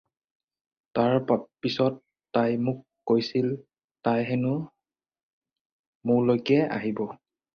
তাৰ পিছত তাই মোক কৈছিল তাই হেনো মোলৈকে আহিব।